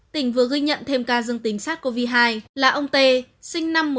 tỉnh vừa ghi nhận thêm ca dương tính sars cov hai là ông t sinh năm một nghìn chín trăm tám mươi